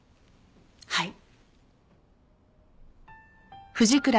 はい。